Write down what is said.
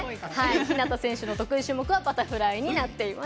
日向選手の得意種目はバタフライになっています。